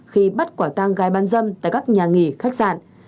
khi bắt quả tang gái ban dâm tại các nhà nghỉ khách sạn